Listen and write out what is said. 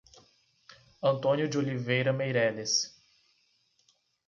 Antônio de Oliveira Meireles